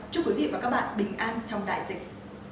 chúc quý vị và các bạn bình an trong đại dịch